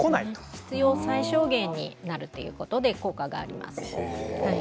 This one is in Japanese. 必要最小限ということで効果があります。